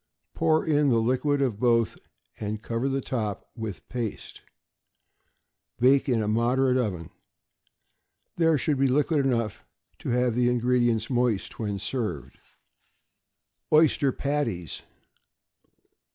Pour in the liquid of both, and cover the top with paste. Bake in a moderate oven. There should be liquid enough to have the ingredients moist when served. =Oyster Patties.